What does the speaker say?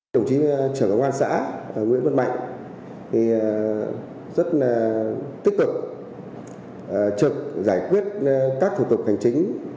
đồng chí trưởng công an xã nguyễn văn mạnh rất tích cực trực giải quyết các thủ tục hành chính